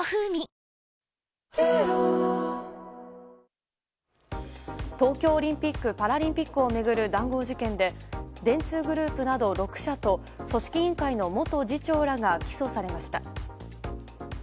東芝東京オリンピック・パラリンピックを巡る談合事件で電通グループなど６社と組織委員会の元次長らが起訴されました。